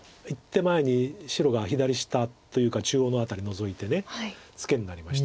１手前に白が左下というか中央の辺りノゾいてツケになりましたよね。